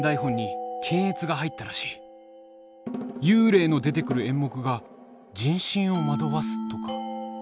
幽霊の出てくる演目が「人心を惑わす」とか。